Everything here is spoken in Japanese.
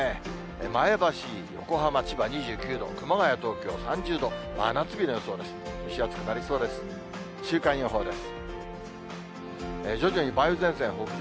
前橋、横浜、千葉２９度、熊谷、東京３０度、真夏日の予想です。